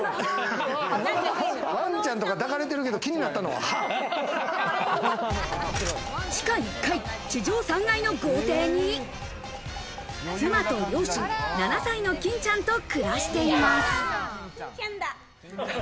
ワンちゃんとか抱かれてるけ地下１階、地上３階の豪邸に、妻と７歳の金ちゃんと暮らしています。